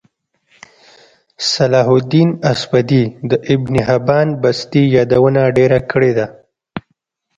صلاحالدیناصفدی دابنحبانبستيیادونهډیره کړیده